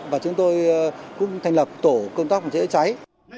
và chúng tôi cũng thành lập tổ công tác phòng cháy chữa cháy